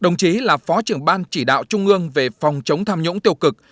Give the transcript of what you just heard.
đồng chí là phó trưởng ban chỉ đạo trung ương về phòng chống tham nhũng tiêu cực